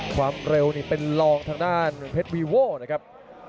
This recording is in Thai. ความเร็วที่เป็นลองทางด้านริวัล